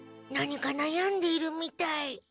何かなやんでいるみたい。